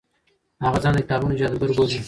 هغه ځان د کتابونو جادوګر بولي.